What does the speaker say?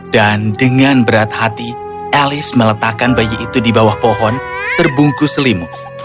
dan dengan berat hati alice meletakkan bayi itu di bawah pohon terbungkus selimut